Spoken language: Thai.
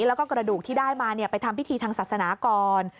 แล้วก็กระดูกที่ได้มาไปทำพิธีทางศาสนาก่อน